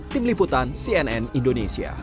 tim liputan cnn indonesia